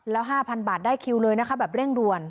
แล้ว๕๐๐บาทได้คิวเลยนะคะแบบเร่งด่วน